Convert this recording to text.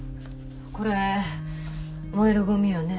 これ燃えるごみよね。